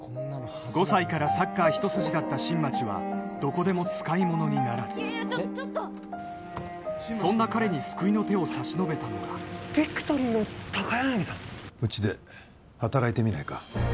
５歳からサッカーひと筋だった新町はどこでも使い物にならずそんな彼に救いの手を差し伸べたのがビクトリーの高柳さんうちで働いてみないか？